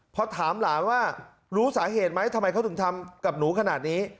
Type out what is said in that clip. พอถามหลานว่ารู้สาเหตุไหมทำไมเขาถึงทำกับหนูขนาดนี้